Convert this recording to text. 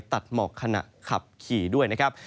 หมอกขณะขับขี่ด้วยนะครับ